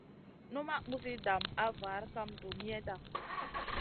Numaʼ muzi dam a var kam duniyada.